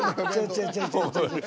違う違う。